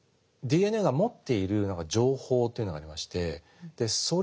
ＤＮＡが持っている情報というのがありましてそれが遺伝子。